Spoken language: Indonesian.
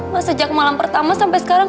mas sejak malam pertama sampai sekarang